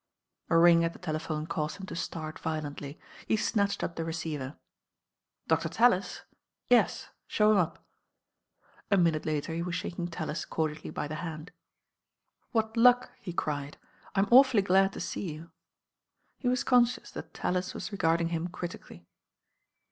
A ring at tlie telephone caused hun to start violently. He snatched up the receiver. "Dr.TaUisI Yes, show him up." A minute later he was shaking Tallis cordially by the hand. "What luck," he cried. "I'm awfuUy glad to see you." He was conscious that Tallis was regarding him critically.